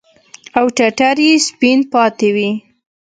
او ټټر يې سپين پاته وي.